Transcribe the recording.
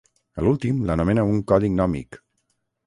A l'últim l'anomena un "codi gnòmic".